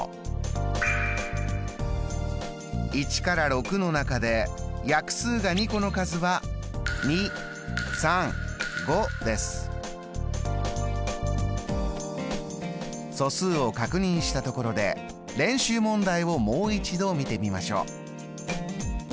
１から６の中で約数が２個の数は素数を確認したところで練習問題をもう一度見てみましょう。